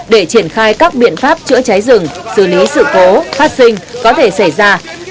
để triển khai các biện pháp chữa cháy rừng xử lý sự cố phát sinh có thể xảy ra